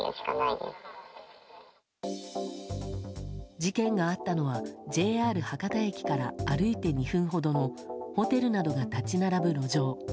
事件があったのはＪＲ博多駅から歩いて２分ほどのホテルなどが立ち並ぶ路上。